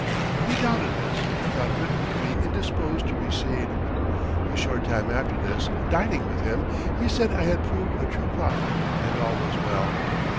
He doubted this and thought Britain would be indisposed to recede. A short time after this, dining with him, he said I had proved a true prophet and all was well.